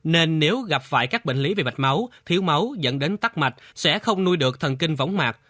nên nếu gặp phải các bệnh lý về mạch máu thiếu máu dẫn đến tắc mạch sẽ không nuôi được thần kinh võng mạc